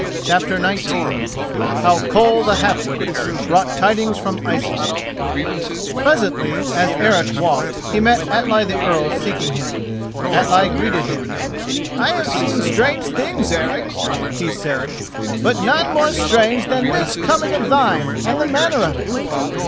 CHAPTER XIX HOW KOLL THE HALF WITTED BROUGHT TIDINGS FROM ICELAND Presently as Eric walked he met Atli the Earl seeking him. Atli greeted him. "I have seen strange things, Eric," he said, "but none more strange than this coming of thine and the manner of it.